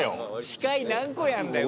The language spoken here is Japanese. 司会、何個やんだよ。